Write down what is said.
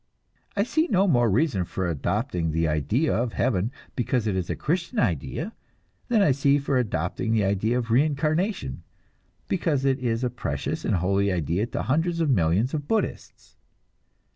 I see no more reason for adopting the idea of heaven because it is a Christian idea than I see for adopting the idea of reincarnation because it is a precious and holy idea to hundreds of millions of Buddhists.